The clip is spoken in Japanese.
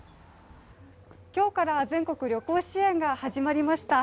今日から全国旅行支援が始まりました。